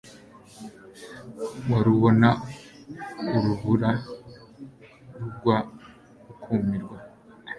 warubona urubura rugwa ukumirwa